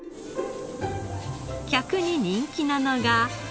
客に人気なのが。